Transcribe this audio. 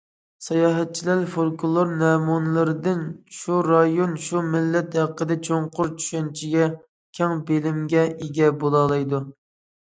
ساياھەتچىلەر فولكلور نەمۇنىلىرىدىن شۇ رايون، شۇ مىللەت ھەققىدە چوڭقۇر چۈشەنچىگە، كەڭ بىلىمگە ئىگە بولالايدۇ.